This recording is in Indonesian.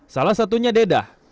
salah satunya dedah